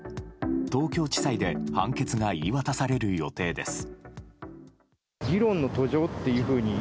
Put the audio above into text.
東京地裁で判決が言い渡される予定です。